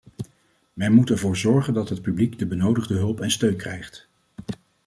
Men moet ervoor zorgen dat het publiek de benodigde hulp en steun krijgt.